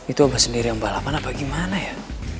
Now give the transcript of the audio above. itu apa sendiri yang balapan apa gimana ya